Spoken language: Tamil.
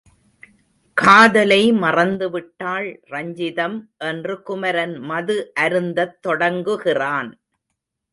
காதலை மறந்துவிட்டாள் ரஞ்சிதம் என்று குமரன் மது அருந்தத் தொடங்குகிறான்.